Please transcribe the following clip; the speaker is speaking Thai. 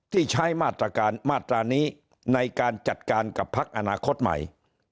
ที่ใช้มาตรานี้ในการจัดการกับภักดิ์อนาคตใหม่